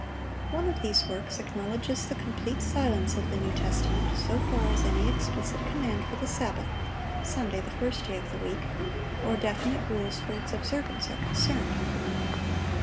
One of these works acknowledges "the complete silence of the New Testament so far as any explicit command for the Sabbath [Sunday, the first day of the week] or definite rules for its observance are concerned."